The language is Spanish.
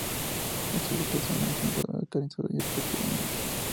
Estos grupos se han enfrentado encarnizada y repetidamente.